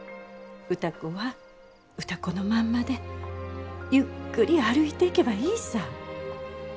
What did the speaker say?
歌子は歌子のまんまでゆっくり歩いていけばいいさ。